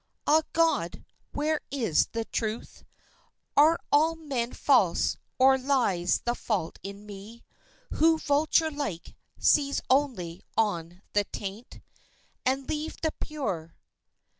Ah God, where is the truth? Are all men false or lies the fault in me Who, vulture like, seize only on the taint, And leave the pure?